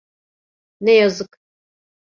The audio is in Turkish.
Ne yazık.